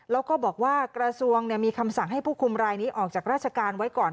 แล้วก็บอกว่ากระทรวงมีคำสั่งให้ผู้คุมรายนี้ออกจากราชการไว้ก่อน